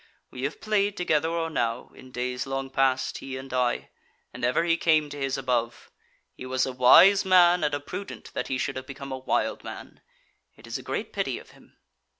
We have played together or now, in days long past, he and I; and ever he came to his above. He was a wise man and a prudent that he should have become a wild man. It is great pity of him."